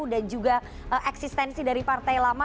dan juga eksistensi dari partai lama